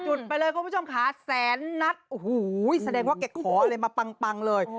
ไปเลยคุณผู้ชมค่ะแสนนัดโอ้โหแสดงว่าแกขออะไรมาปังเลย